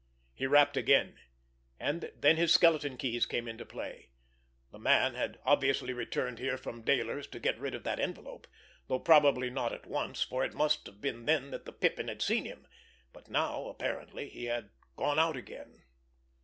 He rapped again; and then his skeleton keys came into play. The man had obviously returned here from Dayler's to get rid of that envelope, though probably not at once, for it must have been then that the Pippin had seen him; but now apparently he had gone out again.